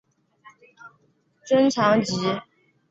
三是城镇商圈已经成为发展亮点和核心增长极。